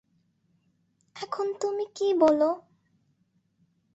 এখন তুমি কী বল?